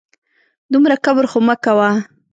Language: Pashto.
دومره کبر خو مه کوه